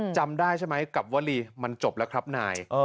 จำได้ใช่ไหมกับวลีมันจบแล้วครับนาย